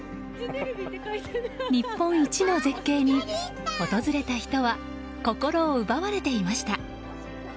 日本一の絶景に訪れた人は心を奪われていました。